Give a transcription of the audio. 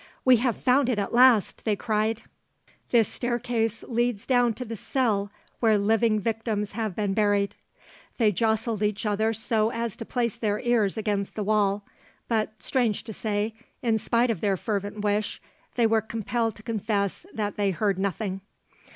'We have found it at last!' they cried; 'this staircase leads down to the cell where living victims have been buried.' They jostled each other so as to place their ears against the wall, but strange to say, in spite of their fervent wish, they were compelled to confess that they heard nothing.